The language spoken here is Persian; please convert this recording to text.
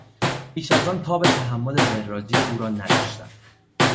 بیش از آن تاب تحمل وراجی او را نداشتم.